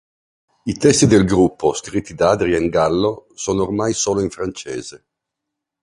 I testi del gruppo, scritti da Adrien Gallo, sono ormai solo in francese.